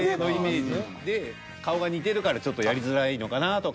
ジで顔が似てるからちょっとやりづらいのかなとか。